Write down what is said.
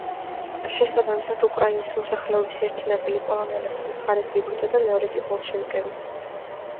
შესაბამისად უკრაინის მოსახლეობის ერთი ნაწილი პოლონელების მხარეს იბრძოდა, მეორე კი ბოლშევიკების.